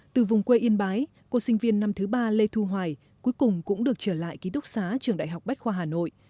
từ vùng quê yên bái cô sinh viên năm thứ ba lê thu hoài cuối cùng cũng được trở lại ký túc xá trường đại học bách khoa hà nội